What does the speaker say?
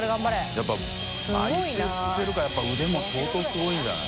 やっぱ莉釣ってるからやっぱ腕も相当すごいんじゃない？